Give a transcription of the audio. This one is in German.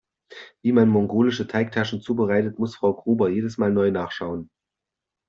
Wie man mongolische Teigtaschen zubereitet, muss Frau Gruber jedes Mal neu nachschauen.